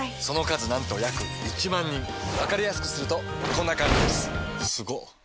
その数なんと約１万人わかりやすくするとこんな感じすごっ！